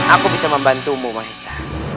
aku bisa membantumu maiza